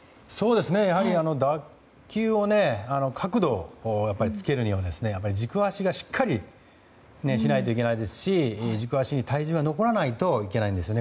やはり打球に角度をつけるには軸足がしっかりしないといけないですし軸足に体重が残らないといけないんですね。